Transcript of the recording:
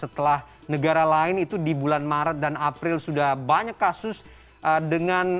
setelah negara lain itu di bulan maret dan april sudah banyak kasus dengan sistematis dari pengawasan covid sembilan belas